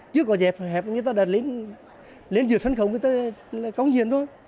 chứ có dẹp hẹp người ta đặt lên dưới sân khấu người ta có hiền thôi